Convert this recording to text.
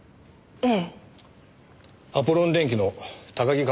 ええ。